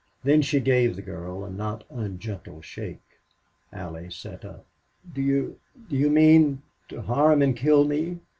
Then she gave the girl a not ungentle shake. Allie sat up. "Do you do they mean to harm and kill me?"